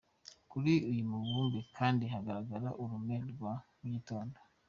Kuri uyu mubumbe kandi hagaragara urume rwa mu gitondo.